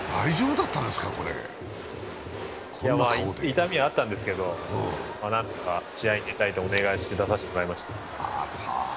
痛みはあったんですけど、何とか試合に出たいとお願いして出させていただきました。